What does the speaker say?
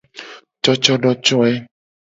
Cocodocoe.